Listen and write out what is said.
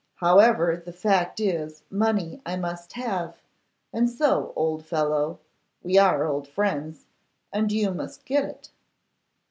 However, the fact is, money I must have; and so, old fellow, we are old friends, and you must get it.